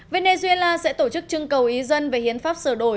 venezuela sẽ tổ chức trưng cầu ý dân về hiến pháp sửa đổi